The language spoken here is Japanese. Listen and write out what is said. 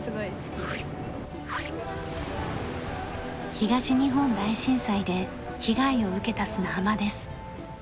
東日本大震災で被害を受けた砂浜です。